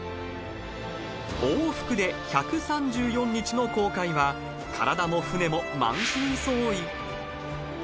往復で１３４日の航海は、体も船も満身創い。